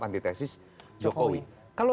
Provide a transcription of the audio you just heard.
antitesis jokowi kalau